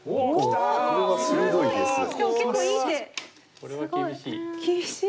これは厳しい。